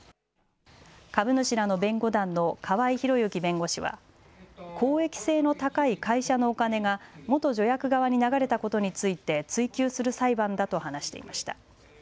株主らの弁護団の河合弘之弁護士は公益性の高い会社のお金が元助役側に流れたことについて追及する裁判だと話していました。